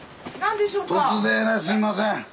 突然すいません。